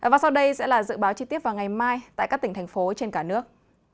và sau đây sẽ là dự báo chi tiết vào ngày mai tại các tỉnh thành phố trên cả nước